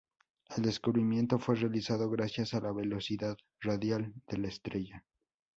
El descubrimiento fue realizado gracias a la velocidad radial de la estrella.